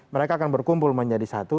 mereka akan berkumpul menjadi satu